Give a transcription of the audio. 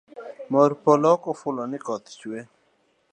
Mor polo ok ofulo ni koth chue